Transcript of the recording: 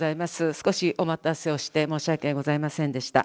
少しお待たせをして申し訳ございませんでした。